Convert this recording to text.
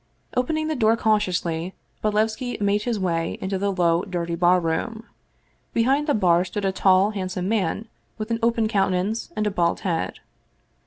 Opening the door cautiously, Bodlevski made his way into the low, dirty barroom. Behind the bar stood a tall, handsome man with an open countenance and a bald head.